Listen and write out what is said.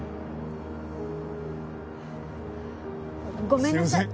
ごめんなさい。